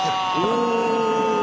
お！